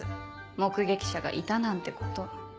目撃者がいたなんてこと。